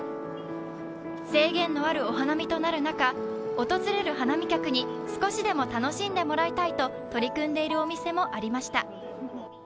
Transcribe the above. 制限のあるお花見となる中訪れる花見客に少しでも楽しんでもらいたいと取り組んでいるお店もありました。